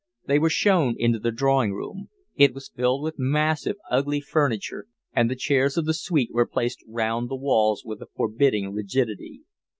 They were shown into the drawing room; it was filled with massive, ugly furniture, and the chairs of the suite were placed round the walls with a forbidding rigidity.